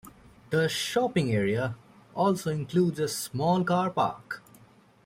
The shopping area also includes a small car park.